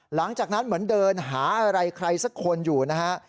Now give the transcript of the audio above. หลังจากนั้นเหมือนเดินหาอะไรใครสักคนอยู่นะฮะ